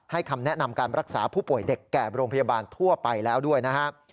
คำแนะนำการรักษาผู้ป่วยเด็กแก่โรงพยาบาลทั่วไปแล้วด้วยนะครับ